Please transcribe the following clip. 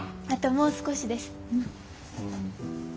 あともう少しです。